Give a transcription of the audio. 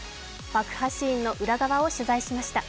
爆破シーンの裏側を取材しました。